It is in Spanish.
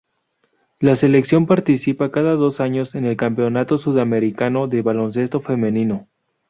La selección participa cada dos años en el Campeonato Sudamericano de Baloncesto Femenino.